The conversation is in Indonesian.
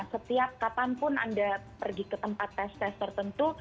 setiap kapanpun anda pergi ke tempat tes tes tertentu